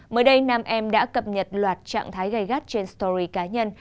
mới đây nam em đã cập nhật loạt trạng thái gây gắt trên story cá nhân